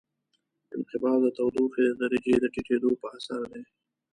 انقباض د تودوخې د درجې د ټیټېدو په اثر دی.